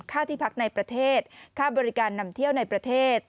ที่พักในประเทศค่าบริการนำเที่ยวในประเทศ